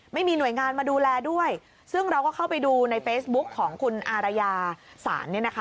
ไม่มีหน่วยงานมาดูแลด้วยซึ่งเราก็เข้าไปดูในเฟซบุ๊กของคุณอารยาศาลเนี่ยนะคะ